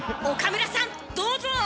岡村さんどうぞ！